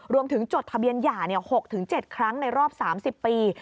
จดทะเบียนหย่า๖๗ครั้งในรอบ๓๐ปี